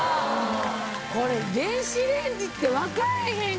これ電子レンジって分からへん